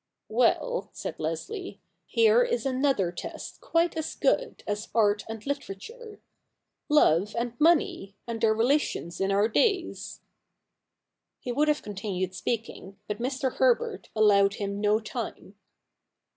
' Well,' said Leslie, ' here is another test quite as good as art and Hterature — love and money, and their relations in our days.' He would have continued speaking ; but Mr. Herbert allowed him no time.